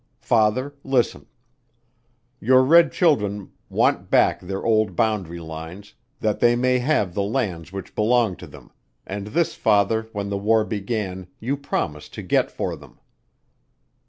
"Father Listen. Your red children want back their old boundary lines, that they may have the lands which belong to them, and this Father when the war began, you promised to get for them.